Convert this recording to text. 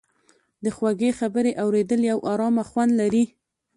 د خوږې خبرې اورېدل یو ارامه خوند لري.